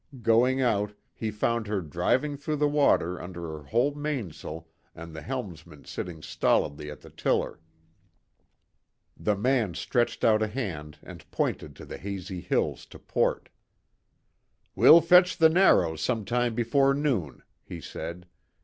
Going out, he found her driving through the water under her whole mainsail and the helmsman sitting stolidly at the tiller. The man stretched out a hand and pointed to the hazy hills to port. "We'll fetch the Narrows some time before noon," he said.